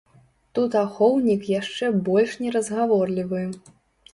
Тут ахоўнік яшчэ больш неразгаворлівы.